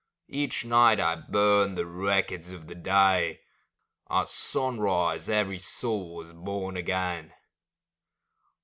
Each night I burn the records of the day, — At sunrise every soul is born again